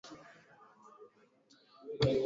malalamiko yao mbele ya mahakama ya kikatiba kumpinga